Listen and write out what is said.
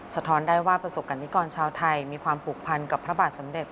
สะท้อนได้ว่าประสบกรณิกรชาวไทยมีความผูกพันกับพระบาทสำเร็จ